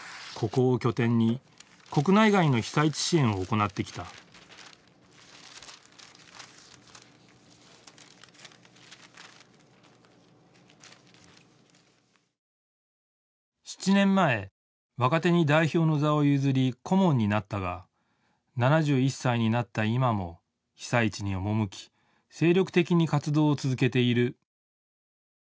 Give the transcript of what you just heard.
ここを拠点に国内外の被災地支援を行ってきた７年前若手に代表の座を譲り顧問になったが７１歳になった今も被災地に赴き精力的に活動を続けている。